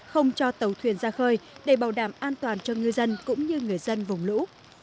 không cho tàu thuyền ra khơi để bảo đảm an toàn cho ngư dân cũng như người dân vùng lũ